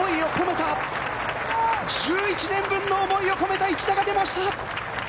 １１年分の思いを込めた一打が出ました！